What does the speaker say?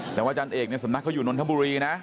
แต่ว่าอาจารย์เอกเนี่ยสำนักเขาอยู่นนทบุรีนะ